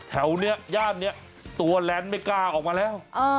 แถวนี้ย่านนี้ตัวแลนด์ไม่กล้าออกมาแล้ว